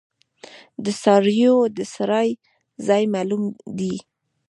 د څارویو د څرائ ځای معلوم دی؟